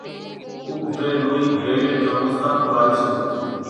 কুপভ্রে Louis ব্রেইলের জন্মস্থান ও বাড়ি ছিল।